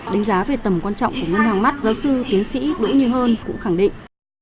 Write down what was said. đánh giá về tầm quan trọng của ngân hàng mắt giáo sư tiến sĩ đỗ như hơn cũng khẳng định